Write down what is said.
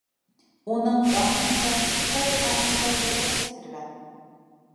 Уның данын да, фажиғәһен дә бергә кисергән.